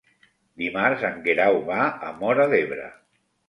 Dimarts en Guerau va a Móra d'Ebre.